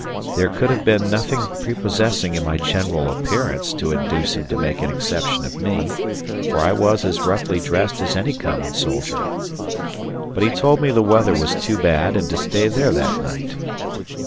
There could have been nothing prepossessing in my general appearance to induce him to make an exception of me, for I was as roughly dressed as any common soldier. But he told me the weather was too bad and to stay there that night.